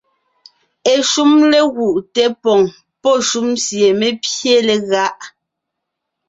Eshúm légúʼ té poŋ pɔ́ shúm sie mé pye legáʼ.